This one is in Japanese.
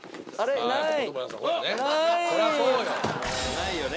ないよね。